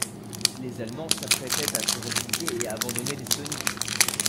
Les Allemands s’apprêtaient à se replier et à abandonner l'Estonie.